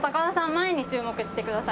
前に注目してください。